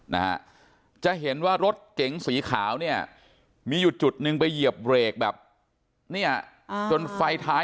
นะคะจะเห็นว่ารถเก๋งสีขาวเนี่ยมีจุดไปเยี่ยบเรคแบบเนี่ยจนไฟท้าย